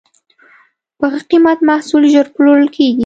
په ښه قیمت محصول ژر پلورل کېږي.